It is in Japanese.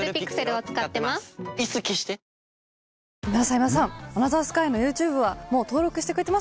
今田さん『アナザースカイ』のＹｏｕＴｕｂｅはもう登録してくれてますか？